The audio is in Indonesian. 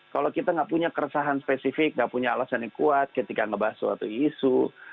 kalau kita nggak punya keresahan spesifik nggak punya alasan yang kuat ketika ngebahas suatu isu